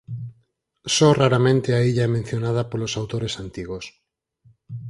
Só raramente a illa é mencionada polos autores antigos.